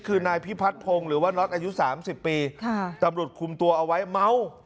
คือนายพิพัฒนพงศ์หรือว่าน็อตอายุสามสิบปีค่ะตำรวจคุมตัวเอาไว้เมา